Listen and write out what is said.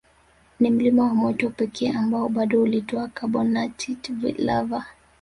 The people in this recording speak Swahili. Ni mlima wa moto pekee ambao bado hutoa carbonatite lava